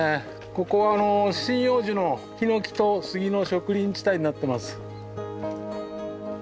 ここはあの針葉樹のヒノキとスギの植林地帯になってます。